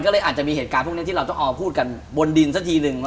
ก็เลยอาจจะมีเหตุการณ์พวกนี้ที่เราต้องเอามาพูดกันบนดินสักทีนึง